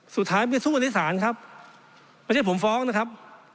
สุดท้ายไปสู้กันที่ศาลครับไม่ใช่ผมฟ้องนะครับ